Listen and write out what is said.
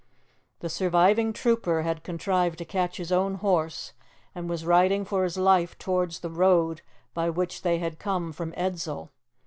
The surviving trooper had contrived to catch his own horse, and was riding for his life towards the road by which they had come from Edzell.